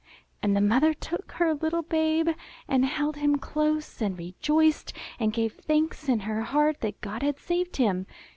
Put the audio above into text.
And the mother took her little babe, and held him close, and rejoiced, and gave thanks in her heart that God had saved him.